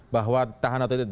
bahwa tahan atau tidak